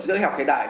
giữa học hệ đại